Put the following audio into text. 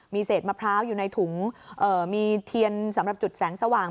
มีเศษมะพร้าวอยู่ในถุงมีเทียนสำหรับจุดแสงสว่าง